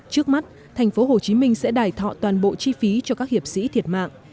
trước mắt tp hcm sẽ đài thọ toàn bộ chi phí cho các hiệp sĩ thiệt mạng